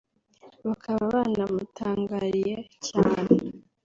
bakaba banamutangariye cyane